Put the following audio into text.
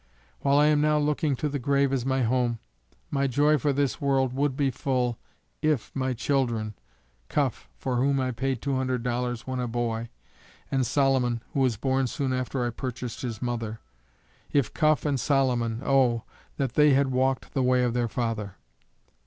_ While I am now looking to the grave as my home, my joy for this world would be full IF my children, Cuff for whom I paid two hundred dollars when a boy, and Solomon who was born soon after I purchased his mother If Cuff and Solomon O! that they had walked the way of their father.